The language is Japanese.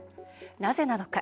なぜなのか。